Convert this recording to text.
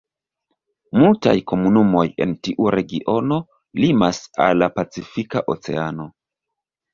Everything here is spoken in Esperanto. Multaj komunumoj en tiu regiono limas al la pacifika oceano.